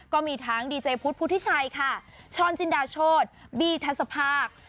ก็มีทั้งดีเจพุทธพุทธิชัยค่ะช้อนจินดาโชธบี้ทัศภาค